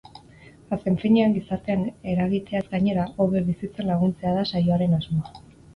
Azken finean, gizartean eragiteaz gainera, hobe bizitzen laguntzea da saioaren asmoa.